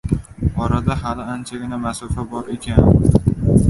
Orada hali anchagina masofa bor ekan.